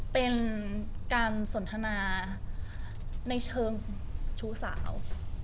เป็นการสนทนาในเชิงชู้สาว